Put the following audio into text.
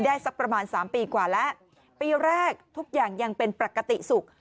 สักประมาณสามปีกว่าแล้วปีแรกทุกอย่างยังเป็นปกติสุข